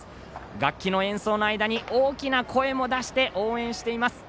楽器の演奏の間に大きな声も出して応援しています。